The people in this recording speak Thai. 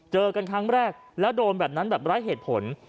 เจอกันครั้งแรกแล้วโดนแบบนั้นแบบไร้เหตุผล